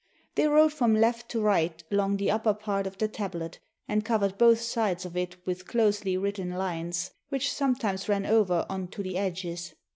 They wrote from left to right along the upper part of the tablet, and covered both sides of it with closely written lines, which sometimes ran over on to the edges.